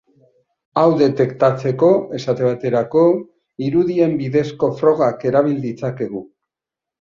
Hau detektatzeko, esate baterako, irudien bidezko frogak erabil ditzakegu.